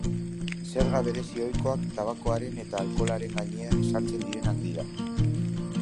Zerga berezi ohikoak tabakoaren eta alkoholaren gainean ezartzen direnak dira.